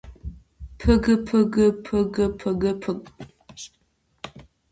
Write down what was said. ფგფგფგფგფ